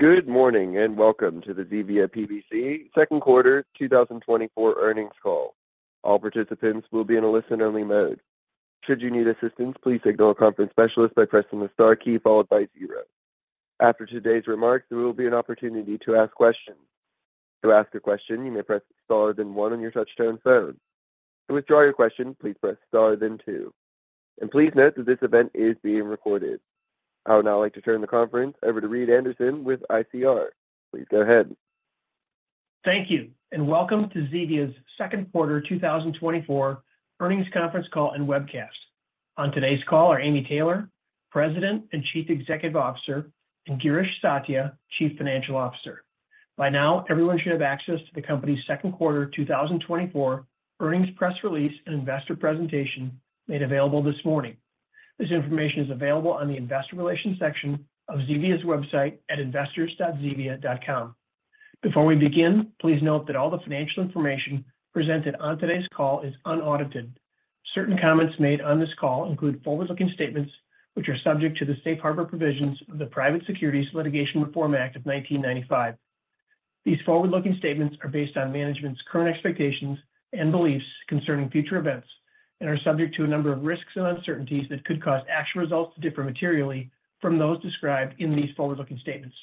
Good morning, and welcome to the Zevia PBC second quarter 2024 earnings call. All participants will be in a listen-only mode. Should you need assistance, please signal a conference specialist by pressing the star key followed by zero. After today's remarks, there will be an opportunity to ask questions. To ask a question, you may press star, then one on your touchtone phone. To withdraw your question, please press star, then two. Please note that this event is being recorded. I would now like to turn the conference over to Reed Anderson with ICR. Please go ahead. Thank you, and welcome to Zevia's second quarter 2024 earnings conference call and webcast. On today's call are Amy Taylor, President and Chief Executive Officer, and Girish Satya, Chief Financial Officer. By now, everyone should have access to the company's second quarter 2024 earnings press release and investor presentation made available this morning. This information is available on the investor relations section of Zevia's website at investors.zevia.com. Before we begin, please note that all the financial information presented on today's call is unaudited. Certain comments made on this call include forward-looking statements, which are subject to the safe harbor provisions of the Private Securities Litigation Reform Act of 1995. These forward-looking statements are based on management's current expectations and beliefs concerning future events and are subject to a number of risks and uncertainties that could cause actual results to differ materially from those described in these forward-looking statements.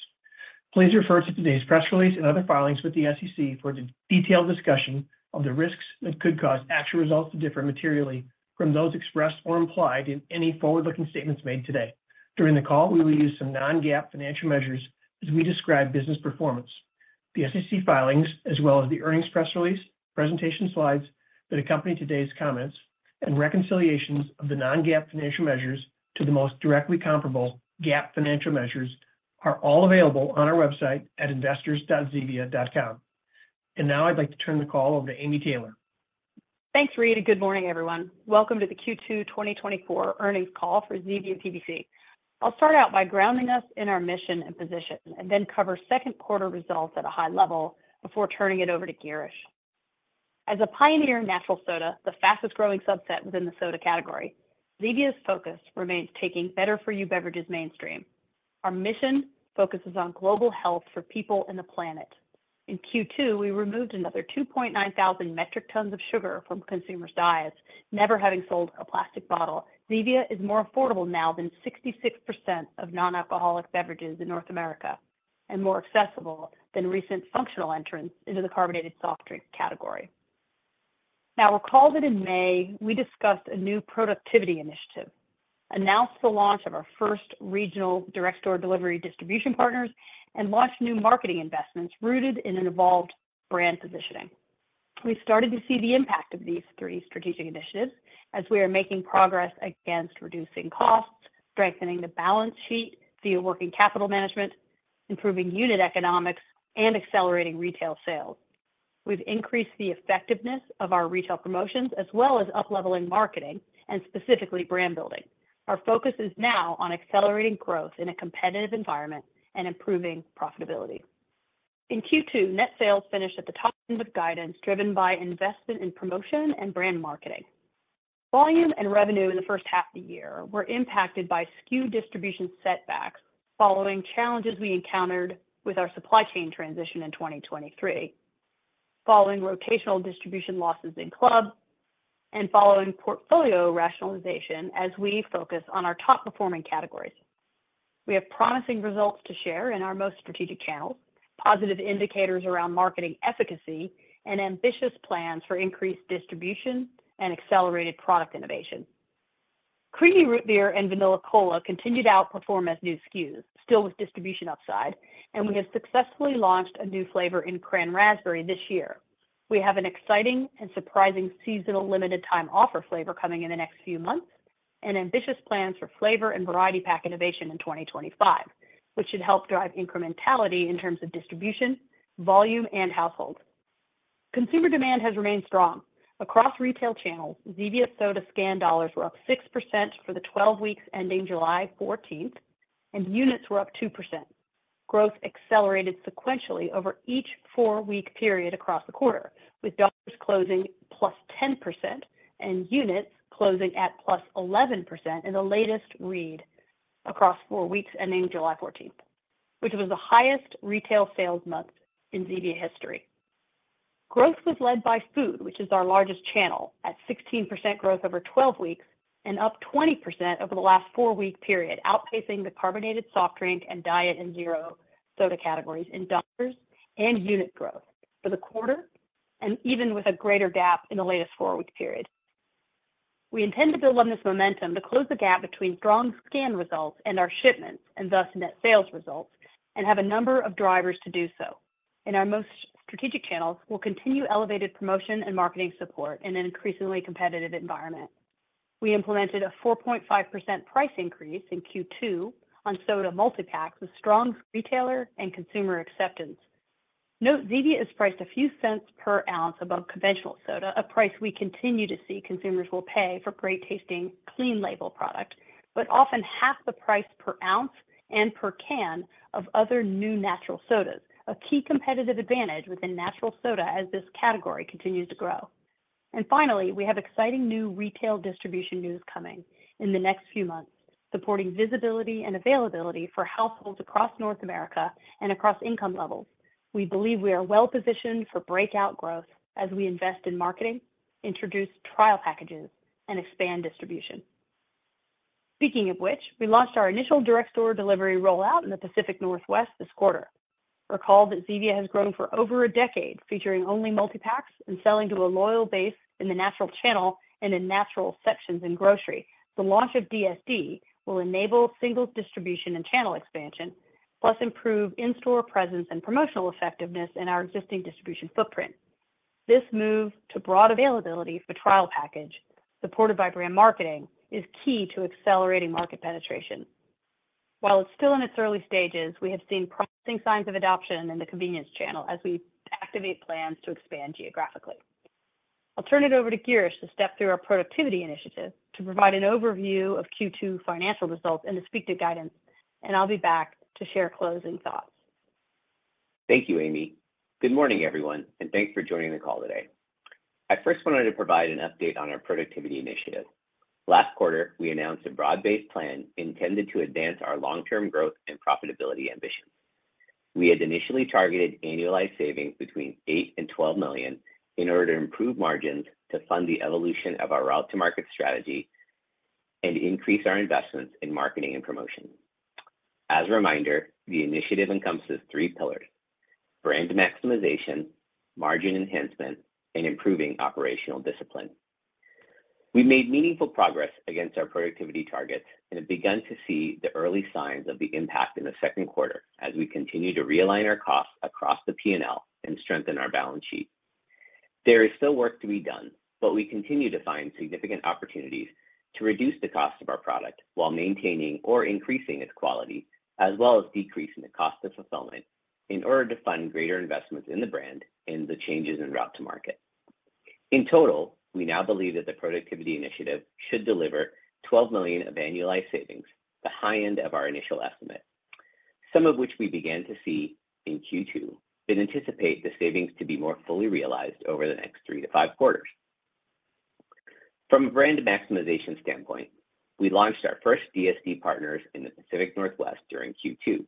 Please refer to today's press release and other filings with the SEC for the detailed discussion of the risks that could cause actual results to differ materially from those expressed or implied in any forward-looking statements made today. During the call, we will use some non-GAAP financial measures as we describe business performance. The SEC filings, as well as the earnings press release, presentation slides that accompany today's comments, and reconciliations of the non-GAAP financial measures to the most directly comparable GAAP financial measures, are all available on our website at investors.zevia.com. Now I'd like to turn the call over to Amy Taylor. Thanks, Reed, and good morning, everyone. Welcome to the Q2 2024 earnings call for Zevia PBC. I'll start out by grounding us in our mission and position, and then cover second quarter results at a high level before turning it over to Girish. As a pioneer in natural soda, the fastest growing subset within the soda category, Zevia's focus remains taking better for you beverages mainstream. Our mission focuses on global health for people and the planet. In Q2, we removed another 2,900 metric tons of sugar from consumers' diets. Never having sold a plastic bottle, Zevia is more affordable now than 66% of non-alcoholic beverages in North America and more accessible than recent functional entrants into the carbonated soft drink category. Now, you'll recall that in May, we discussed a new productivity initiative, announced the launch of our first regional direct store Delivery distribution partners, and launched new marketing investments rooted in an evolved brand positioning. We started to see the impact of these three strategic initiatives as we are making progress against reducing costs, strengthening the balance sheet via working capital management, improving unit economics, and accelerating retail sales. We've increased the effectiveness of our retail promotions as well as upleveling marketing and specifically brand building. Our focus is now on accelerating growth in a competitive environment and improving profitability. In Q2, net sales finished at the top of guidance, driven by investment in promotion and brand marketing. Volume and revenue in the first half of the year were impacted by SKU distribution setbacks following challenges we encountered with our supply chain transition in 2023, following rotational distribution losses in club, and following portfolio rationalization as we focus on our top-performing categories. We have promising results to share in our most strategic channels, positive indicators around marketing efficacy, and ambitious plans for increased distribution and accelerated product innovation. Creamy Root Beer and Vanilla Cola continued to outperform as new SKUs, still with distribution upside, and we have successfully launched a new flavor in Cran-Raspberry this year. We have an exciting and surprising seasonal limited time offer flavor coming in the next few months and ambitious plans for flavor and variety pack innovation in 2025, which should help drive incrementality in terms of distribution, volume, and household. Consumer demand has remained strong. Across retail channels, Zevia soda scan dollars were up 6% for the 12 weeks ending July fourteenth, and units were up 2%. Growth accelerated sequentially over each 4-week period across the quarter, with dollars closing +10% and units closing at +11% in the latest read across 4 weeks ending July fourteenth, which was the highest retail sales month in Zevia history. Growth was led by food, which is our largest channel, at 16% growth over 12 weeks and up 20% over the last 4-week period, outpacing the carbonated soft drink and diet and zero soda categories in dollars and unit growth for the quarter, and even with a greater gap in the latest 4-week period. We intend to build on this momentum to close the gap between strong scan results and our shipments, and thus net sales results, and have a number of drivers to do so. In our most strategic channels, we'll continue elevated promotion and marketing support in an increasingly competitive environment. We implemented a 4.5% price increase in Q2 on soda multipacks with strong retailer and consumer acceptance. Note, Zevia is priced a few cents per ounce above conventional soda, a price we continue to see consumers will pay for great-tasting, clean label product, but often half the price per ounce and per can of other new natural sodas, a key competitive advantage within natural soda as this category continues to grow. Finally, we have exciting new retail distribution news coming in the next few months, supporting visibility and availability for households across North America and across income levels. We believe we are well-positioned for breakout growth as we invest in marketing, introduce trial packages, and expand distribution. Speaking of which, we launched our initial direct store delivery rollout in the Pacific Northwest this quarter. Recall that Zevia has grown for over a decade, featuring only multipacks and selling to a loyal base in the natural channel and in natural sections in grocery. The launch of DSD will enable single distribution and channel expansion, plus improve in-store presence and promotional effectiveness in our existing distribution footprint. This move to broad availability for trial package, supported by brand marketing, is key to accelerating market penetration. While it's still in its early stages, we have seen promising signs of adoption in the convenience channel as we activate plans to expand geographically. I'll turn it over to Girish to step through our productivity initiative, to provide an overview of Q2 financial results and to speak to guidance, and I'll be back to share closing thoughts. Thank you, Amy. Good morning, everyone, and thanks for joining the call today. I first wanted to provide an update on our productivity initiative. Last quarter, we announced a broad-based plan intended to advance our long-term growth and profitability ambitions. We had initially targeted annualized savings between $8 million and $12 million in order to improve margins to fund the evolution of our route to market strategy and increase our investments in marketing and promotion. As a reminder, the initiative encompasses three pillars: brand maximization, margin enhancement, and improving operational discipline. We've made meaningful progress against our productivity targets and have begun to see the early signs of the impact in the second quarter as we continue to realign our costs across the P&L and strengthen our balance sheet. There is still work to be done, but we continue to find significant opportunities to reduce the cost of our product while maintaining or increasing its quality, as well as decreasing the cost of fulfillment in order to fund greater investments in the brand and the changes in route to market. In total, we now believe that the productivity initiative should deliver $12 million of annualized savings, the high end of our initial estimate, some of which we began to see in Q2, but anticipate the savings to be more fully realized over the next 3-5 quarters. From a brand maximization standpoint, we launched our first DSD partners in the Pacific Northwest during Q2,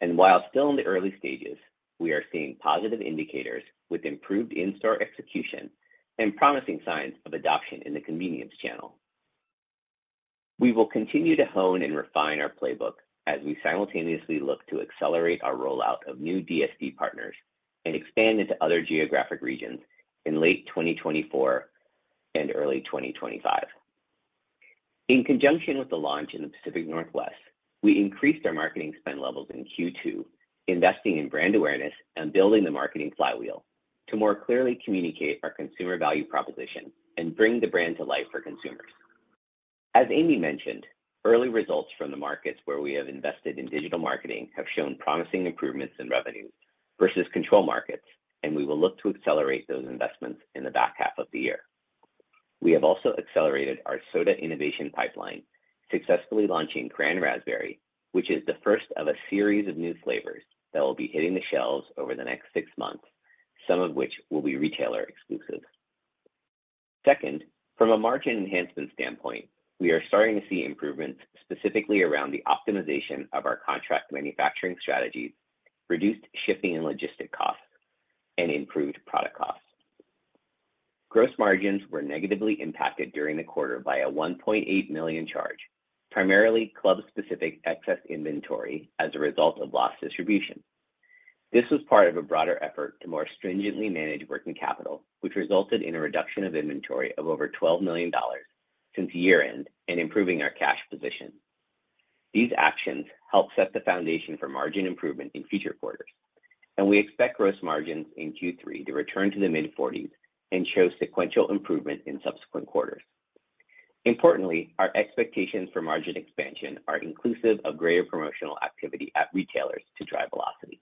and while still in the early stages, we are seeing positive indicators with improved in-store execution and promising signs of adoption in the convenience channel. We will continue to hone and refine our playbook as we simultaneously look to accelerate our rollout of new DSD partners and expand into other geographic regions in late 2024 and early 2025. In conjunction with the launch in the Pacific Northwest, we increased our marketing spend levels in Q2, investing in brand awareness and building the marketing flywheel to more clearly communicate our consumer value proposition and bring the brand to life for consumers. As Amy mentioned, early results from the markets where we have invested in digital marketing have shown promising improvements in revenues versus control markets, and we will look to accelerate those investments in the back half of the year. We have also accelerated our soda innovation pipeline, successfully launching Cran-Raspberry, which is the first of a series of new flavors that will be hitting the shelves over the next six months, some of which will be retailer exclusive. Second, from a margin enhancement standpoint, we are starting to see improvements, specifically around the optimization of our contract manufacturing strategies, reduced shipping and logistics costs, and improved product costs. Gross margins were negatively impacted during the quarter by a $1.8 million charge, primarily club-specific excess inventory as a result of lost distribution. This was part of a broader effort to more stringently manage working capital, which resulted in a reduction of inventory of over $12 million since year-end and improving our cash position. These actions help set the foundation for margin improvement in future quarters, and we expect gross margins in Q3 to return to the mid-40s and show sequential improvement in subsequent quarters. Importantly, our expectations for margin expansion are inclusive of greater promotional activity at retailers to drive velocity.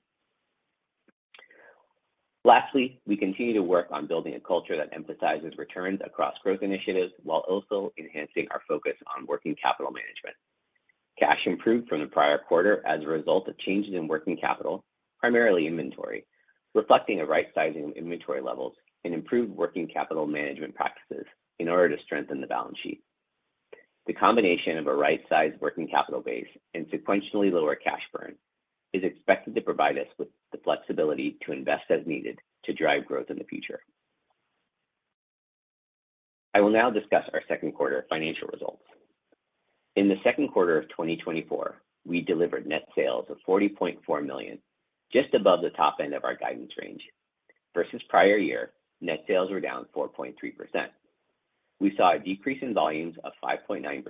Lastly, we continue to work on building a culture that emphasizes returns across growth initiatives, while also enhancing our focus on working capital management. Cash improved from the prior quarter as a result of changes in working capital, primarily inventory, reflecting a right-sizing inventory levels and improved working capital management practices in order to strengthen the balance sheet. The combination of a right-sized working capital base and sequentially lower cash burn is expected to provide us with the flexibility to invest as needed to drive growth in the future. I will now discuss our second quarter financial results. In the second quarter of 2024, we delivered net sales of $40.4 million, just above the top end of our guidance range. Versus prior year, net sales were down 4.3%. We saw a decrease in volumes of 5.9%,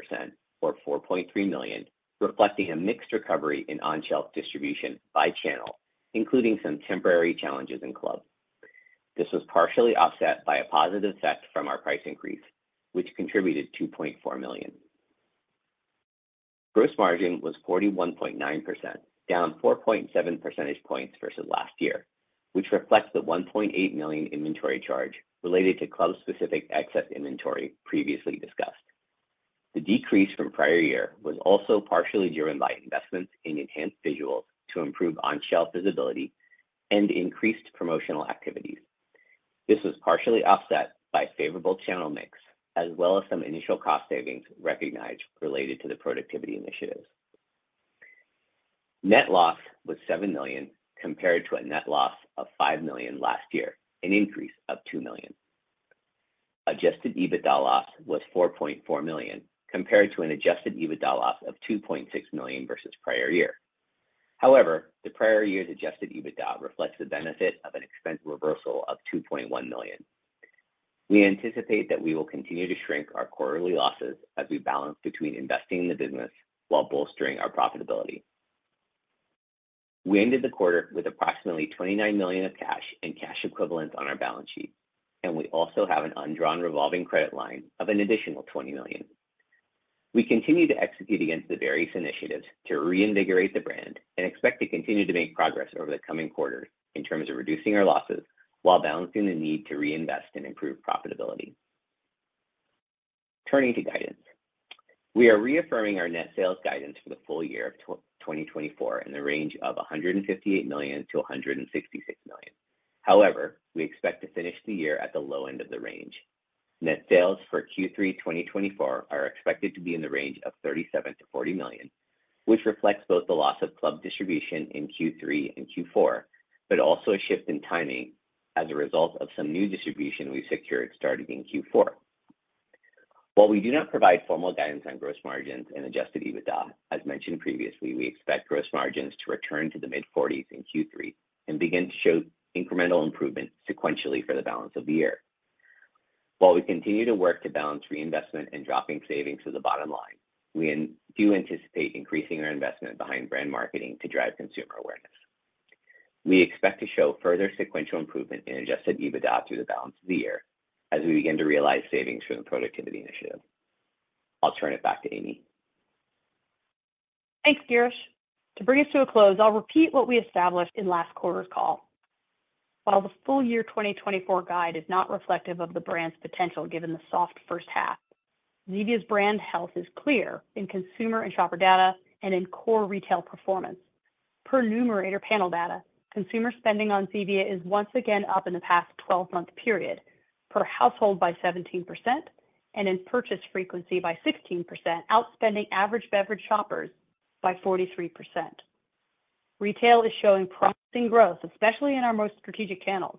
or 4.3 million, reflecting a mixed recovery in on-shelf distribution by channel, including some temporary challenges in club. This was partially offset by a positive effect from our price increase, which contributed $2.4 million. Gross margin was 41.9%, down 4.7 percentage points versus last year, which reflects the $1.8 million inventory charge related to club-specific excess inventory previously discussed. The decrease from prior year was also partially driven by investments in enhanced visuals to improve on-shelf visibility and increased promotional activities. This was partially offset by favorable channel mix, as well as some initial cost savings recognized related to the productivity initiatives. Net loss was $7 million, compared to a net loss of $5 million last year, an increase of $2 million. Adjusted EBITDA loss was $4.4 million, compared to an adjusted EBITDA loss of $2.6 million versus prior year. However, the prior year's adjusted EBITDA reflects the benefit of an expense reversal of $2.1 million. We anticipate that we will continue to shrink our quarterly losses as we balance between investing in the business while bolstering our profitability. We ended the quarter with approximately $29 million of cash and cash equivalents on our balance sheet, and we also have an undrawn revolving credit line of an additional $20 million. We continue to execute against the various initiatives to reinvigorate the brand and expect to continue to make progress over the coming quarters in terms of reducing our losses while balancing the need to reinvest and improve profitability. Turning to guidance. We are reaffirming our net sales guidance for the full year of 2024 in the range of $158 million-$166 million. However, we expect to finish the year at the low end of the range. Net sales for Q3 2024 are expected to be in the range of $37 million-$40 million, which reflects both the loss of club distribution in Q3 and Q4, but also a shift in timing as a result of some new distribution we've secured starting in Q4. While we do not provide formal guidance on gross margins and Adjusted EBITDA, as mentioned previously, we expect gross margins to return to the mid-forties in Q3 and begin to show incremental improvement sequentially for the balance of the year. While we continue to work to balance reinvestment and dropping savings to the bottom line, we do anticipate increasing our investment behind brand marketing to drive consumer awareness. We expect to show further sequential improvement in Adjusted EBITDA through the balance of the year as we begin to realize savings from the productivity initiative. I'll turn it back to Amy. Thanks, Girish. To bring us to a close, I'll repeat what we established in last quarter's call. While the full year 2024 guide is not reflective of the brand's potential, given the soft first half, Zevia's brand health is clear in consumer and shopper data and in core retail performance. Per Numerator panel data, consumer spending on Zevia is once again up in the past 12-month period, per household by 17%, and in purchase frequency by 16%, outspending average beverage shoppers by 43%. Retail is showing promising growth, especially in our most strategic channels.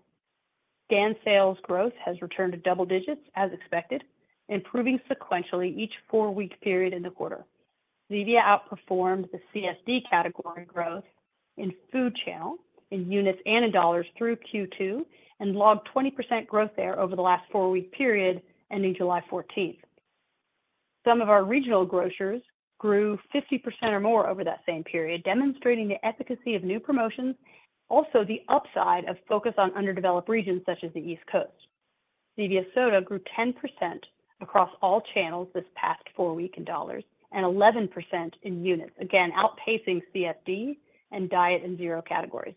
Scan sales growth has returned to double digits, as expected, improving sequentially each 4-week period in the quarter. Zevia outperformed the CSD category growth in food channel, in units and in dollars through Q2, and logged 20% growth there over the last 4-week period ending July 14th. Some of our regional grocers grew 50% or more over that same period, demonstrating the efficacy of new promotions, also the upside of focus on underdeveloped regions such as the East Coast. Zevia soda grew 10% across all channels this past 4-week in dollars, and 11% in units, again, outpacing CSD and diet and zero categories.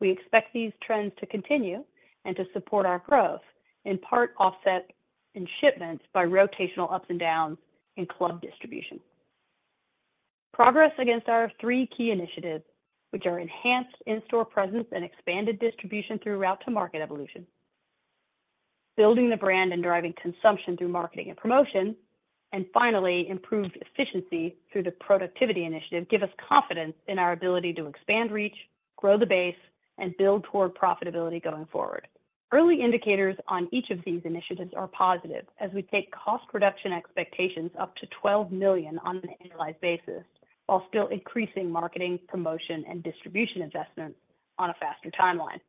We expect these trends to continue and to support our growth, in part offset in shipments by rotational ups and downs in club distribution. Progress against our 3 key initiatives, which are enhanced in-store presence and expanded distribution through route to market evolution, building the brand and driving consumption through marketing and promotion, and finally, improved efficiency through the productivity initiative, give us confidence in our ability to expand reach, grow the base, and build toward profitability going forward. Early indicators on each of these initiatives are positive, as we take cost reduction expectations up to $12 million on an annualized basis, while still increasing marketing, promotion, and distribution investments on a faster timeline.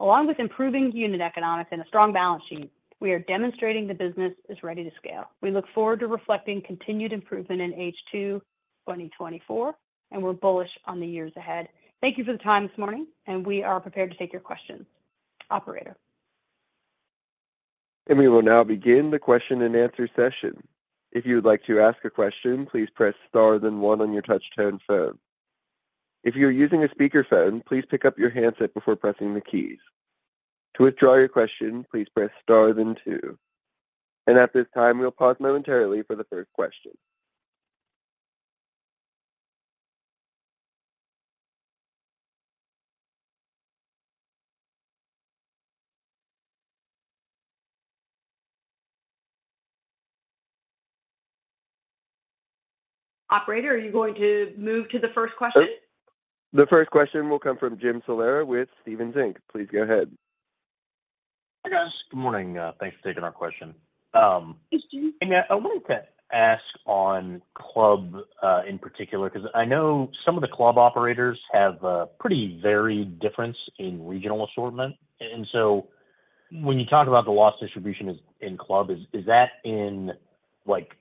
Along with improving unit economics and a strong balance sheet, we are demonstrating the business is ready to scale. We look forward to reflecting continued improvement in H2 2024, and we're bullish on the years ahead. Thank you for the time this morning, and we are prepared to take your questions. Operator? We will now begin the question and answer session. If you would like to ask a question, please press star then one on your touchtone phone. If you are using a speakerphone, please pick up your handset before pressing the keys. To withdraw your question, please press star then two. At this time, we'll pause momentarily for the first question. Operator, are you going to move to the first question? The first question will come from Jim Salera with Stephens Inc. Please go ahead. Hi, guys. Good morning. Thanks for taking our question. Thanks, Jim. And, I wanted to ask on club in particular, because I know some of the club operators have a pretty varied difference in regional assortment. And so when you talk about the loss distribution in club, is that in, like,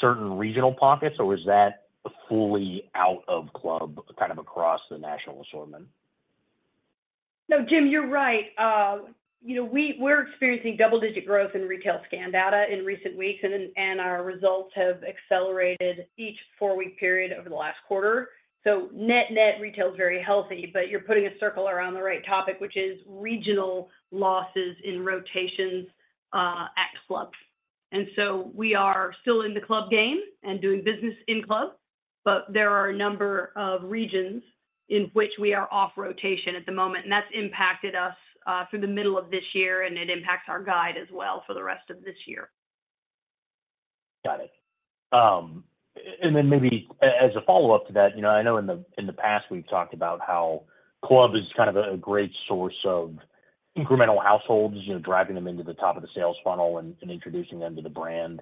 certain regional pockets, or is that fully out of club, kind of across the national assortment? No, Jim, you're right. You know, we're experiencing double-digit growth in retail scan data in recent weeks, and our results have excelled over each four-week period over the last quarter. So net-net retail is very healthy, but you're putting a circle around the right topic, which is regional losses in rotations at clubs. And so we are still in the club game and doing business in clubs, but there are a number of regions in which we are off rotation at the moment, and that's impacted us through the middle of this year, and it impacts our guide as well for the rest of this year. Got it. And then maybe as a follow-up to that, you know, I know in the past, we've talked about how club is kind of a great source of incremental households, you know, driving them into the top of the sales funnel and introducing them to the brand.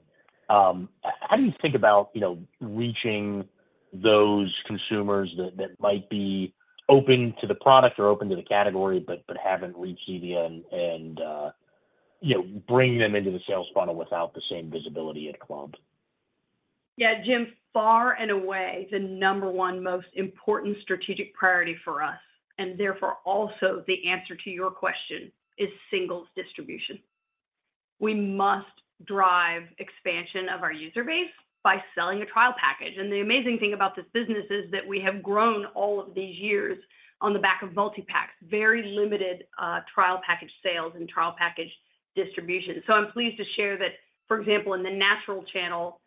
How do you think about, you know, reaching those consumers that might be open to the product or open to the category but haven't reached Zevia and, you know, bring them into the sales funnel without the same visibility at clubs? Yeah, Jim, far and away, the number one most important strategic priority for us, and therefore, also the answer to your question, is singles distribution. We must drive expansion of our user base by selling a trial package. The amazing thing about this business is that we have grown all of these years on the back of multi-packs, very limited trial package sales and trial package distribution. So I'm pleased to share that, for example, in the natural channel,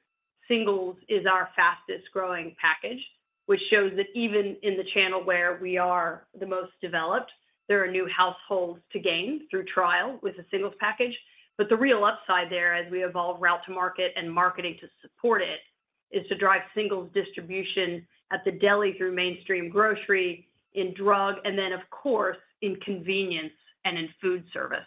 singles is our fastest growing package, which shows that even in the channel where we are the most developed, there are new households to gain through trial with a singles package. But the real upside there, as we evolve route to market and marketing to support it, is to drive singles distribution at the DSD through mainstream grocery, in drug, and then, of course, in convenience and in food service.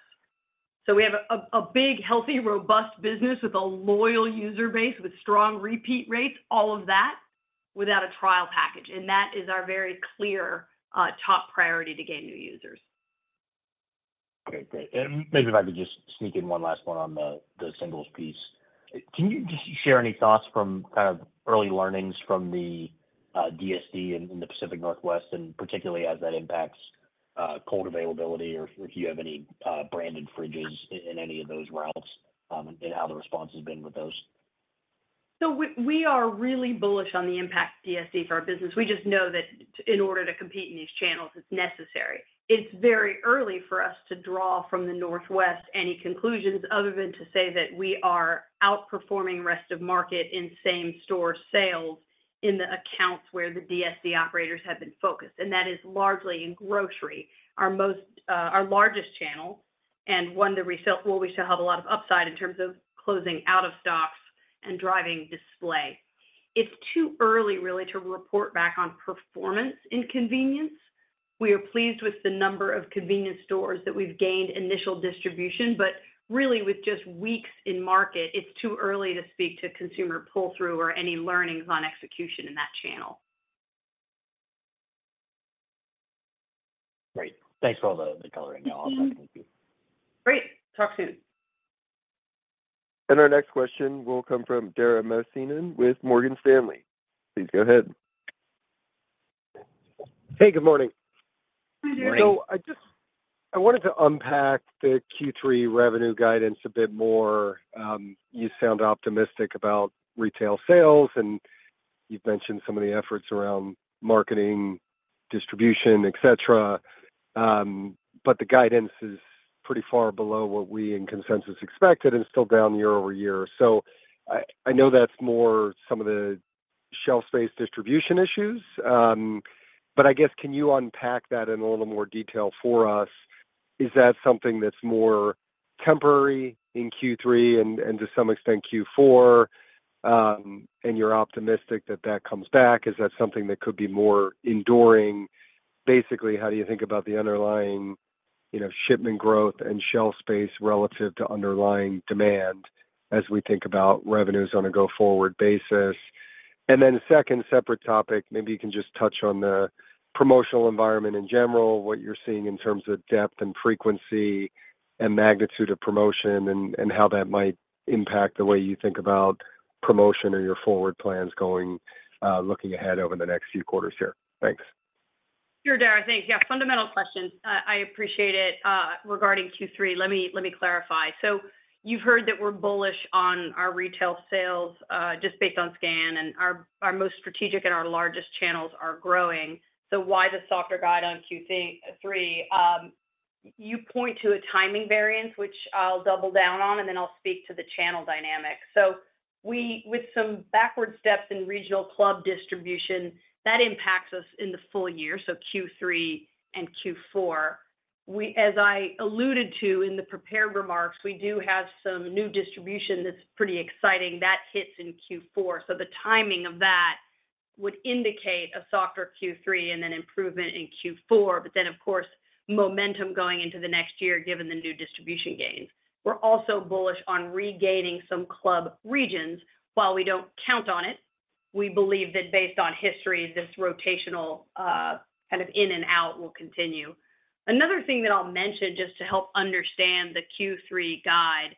So we have a big, healthy, robust business with a loyal user base, with strong repeat rates, all of that without a trial package, and that is our very clear top priority to gain new users. Okay, great. And maybe if I could just sneak in one last one on the, the singles piece. Can you just share any thoughts from kind of early learnings from the DSD in the Pacific Northwest, and particularly as that impacts cold availability, or if you have any branded fridges in any of those routes, and how the response has been with those? So we are really bullish on the impact of DSD for our business. We just know that in order to compete in these channels, it's necessary. It's very early for us to draw from the Northwest any conclusions other than to say that we are outperforming rest of market in same-store sales in the accounts where the DSD operators have been focused, and that is largely in grocery, our most... our largest channel, and one that we feel where we still have a lot of upside in terms of closing out of stocks and driving display. It's too early, really, to report back on performance in convenience. We are pleased with the number of convenience stores that we've gained initial distribution, but really, with just weeks in market, it's too early to speak to consumer pull-through or any learnings on execution in that channel. Great. Thanks for all the coloring now on that. Thank you. Mm-hmm. Great! Talk soon. Our next question will come from Dara Mohsenian with Morgan Stanley. Please go ahead. Hey, good morning. Hi, Dara. So I just I wanted to unpack the Q3 revenue guidance a bit more. You sound optimistic about retail sales, and you've mentioned some of the efforts around marketing, distribution, et cetera. But the guidance is pretty far below what we in consensus expected, and it's still down year-over-year. So I know that's more some of the shelf space distribution issues, but I guess, can you unpack that in a little more detail for us? Is that something that's more temporary in Q3 and to some extent, Q4, and you're optimistic that that comes back? Is that something that could be more enduring? Basically, how do you think about the underlying, you know, shipment growth and shelf space relative to underlying demand as we think about revenues on a go-forward basis? And then, second separate topic, maybe you can just touch on the promotional environment in general, what you're seeing in terms of depth and frequency and magnitude of promotion, and how that might impact the way you think about promotion or your forward plans going, looking ahead over the next few quarters here. Thanks. Sure, Dara. Thanks. Yeah, fundamental questions. I appreciate it. Regarding Q3, let me, let me clarify. So you've heard that we're bullish on our retail sales, just based on scan, and our, our most strategic and our largest channels are growing. So why the softer guide on Q3 three? You point to a timing variance, which I'll double down on, and then I'll speak to the channel dynamics. So we, with some backward steps in regional club distribution, that impacts us in the full year, so Q3 and Q4. We, as I alluded to in the prepared remarks, we do have some new distribution that's pretty exciting. That hits in Q4, so the timing of that would indicate a softer Q3 and an improvement in Q4, but then, of course, momentum going into the next year, given the new distribution gains. We're also bullish on regaining some club regions. While we don't count on it, we believe that based on history, this rotational, kind of in and out will continue. Another thing that I'll mention, just to help understand the Q3 guide,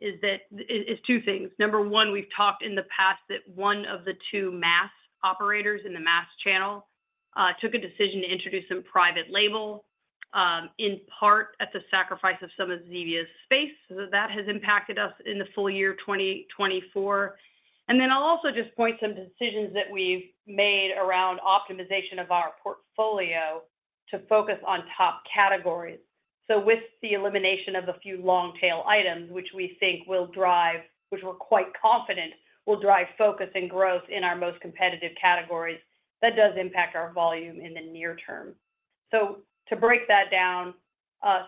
is that it's two things. Number one, we've talked in the past that one of the two mass operators in the mass channel took a decision to introduce some private label, in part at the sacrifice of some of Zevia's space. So that has impacted us in the full year 2024. And then I'll also just point some decisions that we've made around optimization of our portfolio to focus on top categories. So with the elimination of a few long tail items, which we're quite confident will drive focus and growth in our most competitive categories, that does impact our volume in the near term. So to break that down,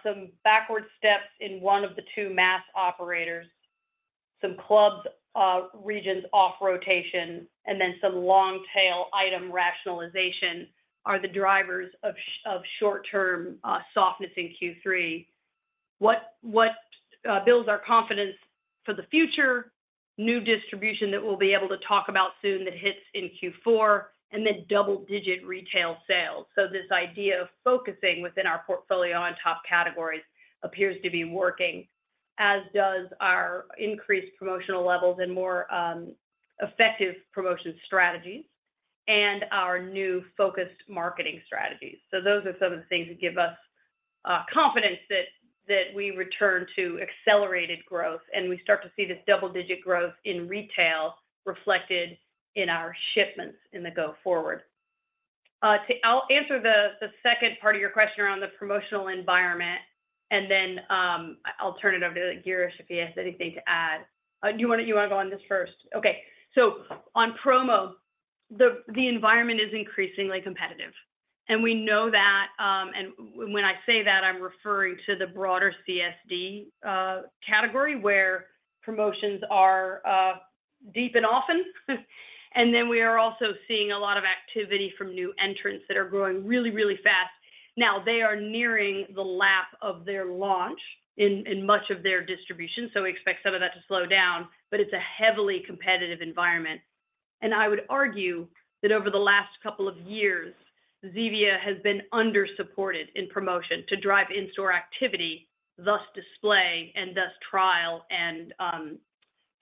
some backward steps in one of the two mass operators, some clubs, regions off rotation, and then some long tail item rationalization are the drivers of short-term softness in Q3. What builds our confidence for the future? New distribution that we'll be able to talk about soon, that hits in Q4, and then double-digit retail sales. So this idea of focusing within our portfolio on top categories appears to be working, as does our increased promotional levels and more effective promotion strategies and our new focused marketing strategies. So those are some of the things that give us confidence that we return to accelerated growth, and we start to see this double-digit growth in retail reflected in our shipments in the go forward. To I'll answer the second part of your question around the promotional environment, and then I'll turn it over to Girish if he has anything to add. You wanna go on this first? Okay. So on promo, the environment is increasingly competitive, and we know that. And when I say that, I'm referring to the broader CSD category, where promotions are deep and often. And then we are also seeing a lot of activity from new entrants that are growing really, really fast. Now, they are nearing the lap of their launch in much of their distribution, so we expect some of that to slow down, but it's a heavily competitive environment. And I would argue that over the last couple of years, Zevia has been under-supported in promotion to drive in-store activity, thus display and thus trial and,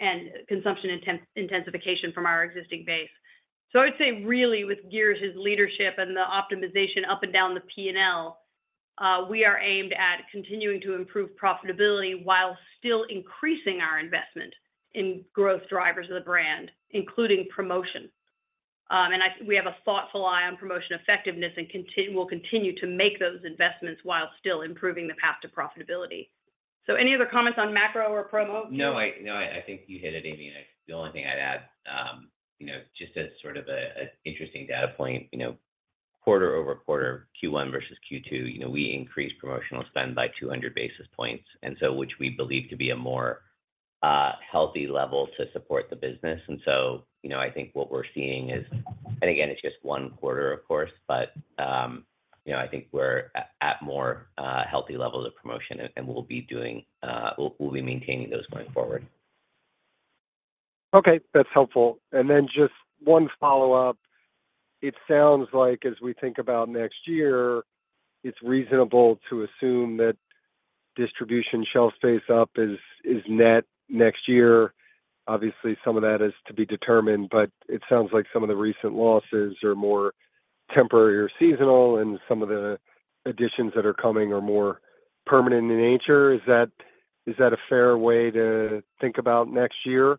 and consumption intensification from our existing base. So I would say really with Girish's leadership and the optimization up and down the P&L, we are aimed at continuing to improve profitability while still increasing our investment in growth drivers of the brand, including promotion. And we have a thoughtful eye on promotion effectiveness, and we'll continue to make those investments while still improving the path to profitability. So any other comments on macro or promo? No, I think you hit it, Amy. And the only thing I'd add, you know, just as sort of an interesting data point, you know, quarter over quarter, Q1 versus Q2, you know, we increased promotional spend by 200 basis points, and so which we believe to be a more healthy level to support the business. And so, you know, I think what we're seeing is... And again, it's just one quarter, of course, but, you know, I think we're at more healthy levels of promotion, and we'll be maintaining those going forward. Okay, that's helpful. Then just one follow-up. It sounds like as we think about next year, it's reasonable to assume that distribution shelf space up is net next year. Obviously, some of that is to be determined, but it sounds like some of the recent losses are more temporary or seasonal, and some of the additions that are coming are more permanent in nature. Is that a fair way to think about next year?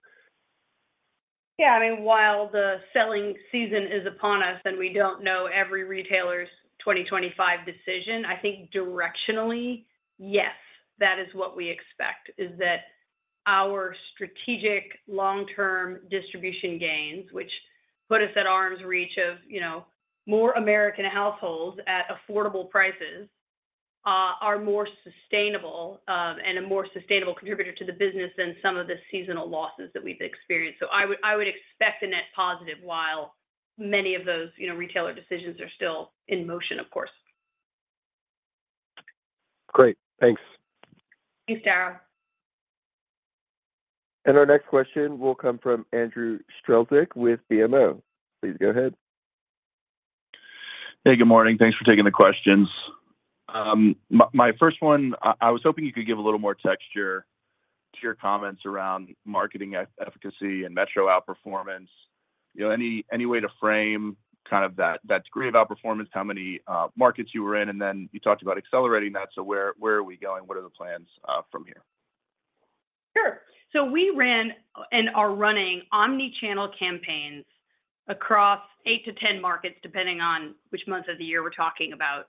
Yeah, I mean, while the selling season is upon us, and we don't know every retailer's 2025 decision, I think directionally, yes, that is what we expect, is that our strategic long-term distribution gains, which put us at arm's reach of, you know, more American households at affordable prices, are more sustainable, and a more sustainable contributor to the business than some of the seasonal losses that we've experienced. So I would, I would expect a net positive, while many of those, you know, retailer decisions are still in motion, of course. Great. Thanks. Thanks, Dara. Our next question will come from Andrew Strelzik with BMO. Please go ahead. Hey, good morning. Thanks for taking the questions. My first one, I was hoping you could give a little more texture to your comments around marketing efficacy and metro outperformance. You know, any way to frame kind of that degree of outperformance, how many markets you were in? And then you talked about accelerating that, so where are we going? What are the plans from here? Sure. So we ran and are running omni-channel campaigns across 8-10 markets, depending on which month of the year we're talking about.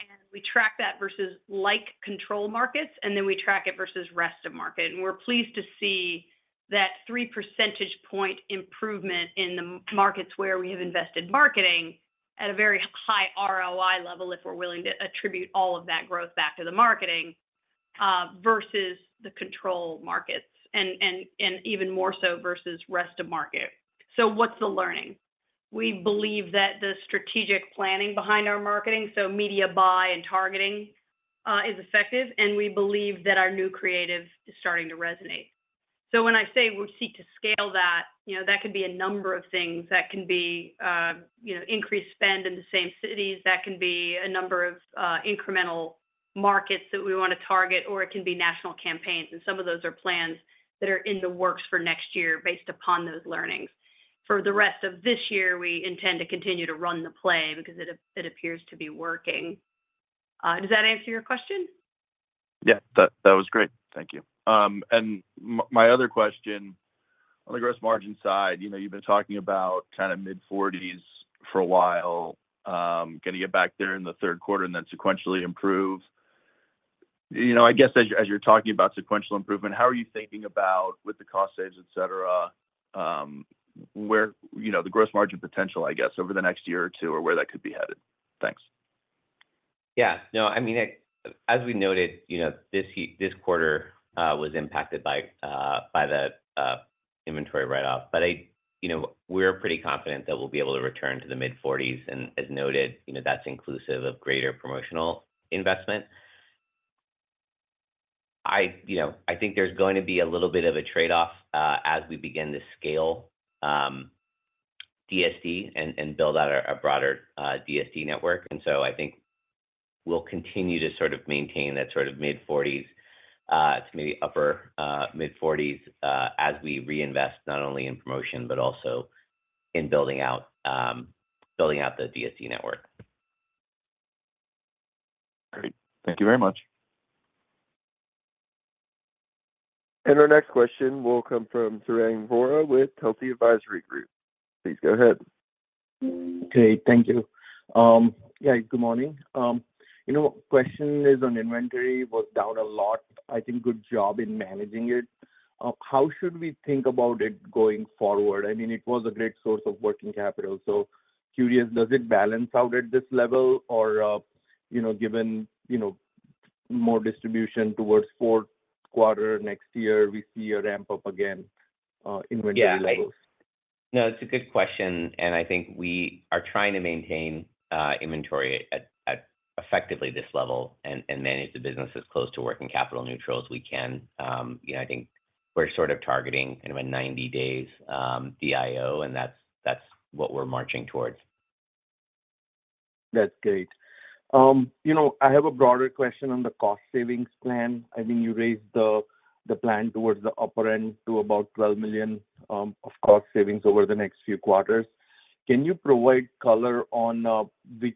And we track that versus like control markets, and then we track it versus rest of market. And we're pleased to see that 3 percentage point improvement in the markets where we have invested marketing at a very high ROI level, if we're willing to attribute all of that growth back to the marketing versus the control markets, and even more so versus rest of market. So what's the learning? We believe that the strategic planning behind our marketing, so media buy and targeting, is effective, and we believe that our new creative is starting to resonate. So when I say we seek to scale that, you know, that can be a number of things. That can be, you know, increased spend in the same cities. That can be a number of incremental markets that we want to target, or it can be national campaigns, and some of those are plans that are in the works for next year based upon those learnings. For the rest of this year, we intend to continue to run the play because it, it appears to be working. Does that answer your question? Yeah. That was great. Thank you. And my other question, on the gross margin side, you know, you've been talking about kind of mid-forties for a while, gonna get back there in the third quarter and then sequentially improve. You know, I guess as you're talking about sequential improvement, how are you thinking about with the cost saves, et cetera, where, you know, the gross margin potential, I guess, over the next year or two, or where that could be headed? Thanks. Yeah. No, I mean, as we noted, you know, this quarter was impacted by the inventory write-off. But I, you know, we're pretty confident that we'll be able to return to the mid-forties, and as noted, you know, that's inclusive of greater promotional investment. I, you know, I think there's going to be a little bit of a trade-off as we begin to scale DSD and build out a broader DSD network. And so I think we'll continue to sort of maintain that sort of mid-forties to maybe upper mid-forties as we reinvest, not only in promotion, but also in building out building out the DSD network. Great. Thank you very much. Our next question will come from Sarang Vora with Telsey Advisory Group. Please go ahead. Okay, thank you. Yeah, good morning. You know, question is on inventory was down a lot. I think, good job in managing it. How should we think about it going forward? I mean, it was a great source of working capital, so curious, does it balance out at this level or, you know, given, you know, more distribution towards fourth quarter next year, we see a ramp-up again, inventory levels? Yeah, no, it's a good question, and I think we are trying to maintain inventory at effectively this level and manage the business as close to working capital neutral as we can. You know, I think we're sort of targeting kind of a 90 days DIO, and that's what we're marching towards. That's great. You know, I have a broader question on the cost savings plan. I think you raised the plan towards the upper end to about $12 million of cost savings over the next few quarters. Can you provide color on which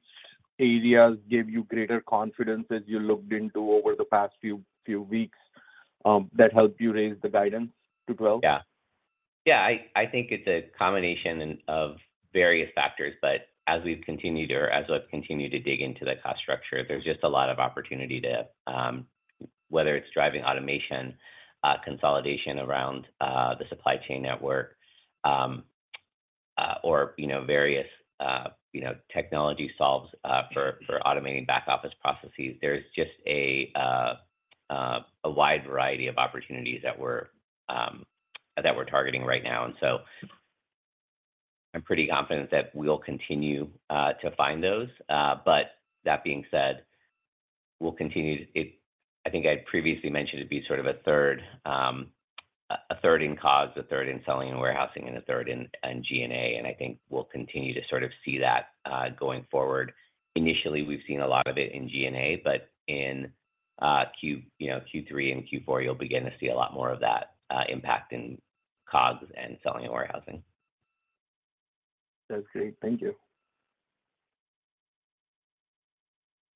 areas gave you greater confidence as you looked into over the past few weeks that helped you raise the guidance to $12 million? Yeah. Yeah, I think it's a combination of various factors, but as we've continued to dig into the cost structure, there's just a lot of opportunity to whether it's driving automation, consolidation around the supply chain network, or you know, various you know, technology solves for automating back office processes. There's just a wide variety of opportunities that we're targeting right now. And so I'm pretty confident that we'll continue to find those. But that being said, we'll continue. I think I previously mentioned it'd be sort of a third in COGS, a third in selling and warehousing, and a third in G&A, and I think we'll continue to sort of see that going forward. Initially, we've seen a lot of it in G&A, but in Q3 and Q4, you'll begin to see a lot more of that impact in COGS and selling and warehousing. That's great. Thank you.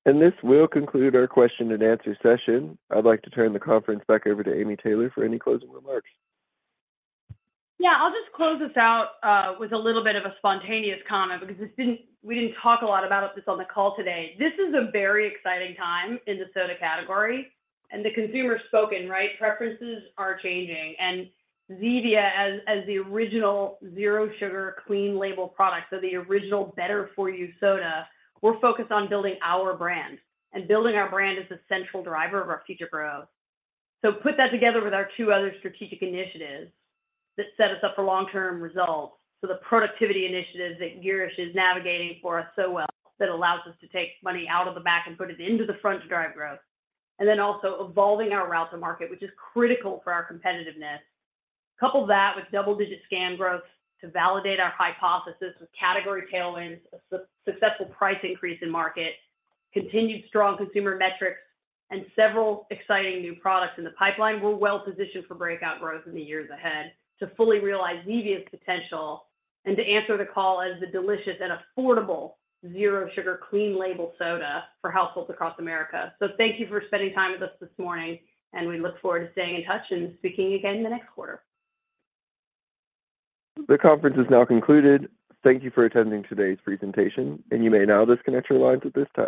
This will conclude our question and answer session. I'd like to turn the conference back over to Amy Taylor for any closing remarks. Yeah, I'll just close this out with a little bit of a spontaneous comment because we didn't talk a lot about this on the call today. This is a very exciting time in the soda category, and the consumer's spoken, right? Preferences are changing, and Zevia, as the original zero sugar, clean label product, so the original better for you soda, we're focused on building our brand, and building our brand is the central driver of our future growth. So put that together with our two other strategic initiatives that set us up for long-term results. So the productivity initiatives that Girish is navigating for us so well, that allows us to take money out of the back and put it into the front to drive growth. And then also evolving our route to market, which is critical for our competitiveness. Couple that with double-digit scan growth to validate our hypothesis with category tailwinds, successful price increase in market, continued strong consumer metrics, and several exciting new products in the pipeline. We're well positioned for breakout growth in the years ahead to fully realize Zevia's potential, and to answer the call as the delicious and affordable zero sugar, clean label soda for households across America. So thank you for spending time with us this morning, and we look forward to staying in touch and speaking again the next quarter. The conference is now concluded. Thank you for attending today's presentation, and you may now disconnect your lines at this time.